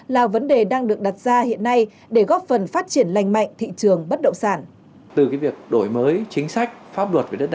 là vấn đề đang được đặt ra hiện nay để góp phần phát triển lành mạnh thị trường bất động sản